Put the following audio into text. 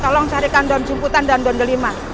tolong carikan daun jemputan dan daun delima